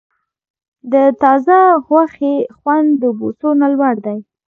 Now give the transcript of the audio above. د تازه غوښې خوند د بوسو نه لوړ دی.